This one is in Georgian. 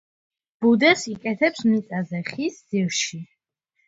ბუდეს იკეთებს მიწაზე, ხის ძირში.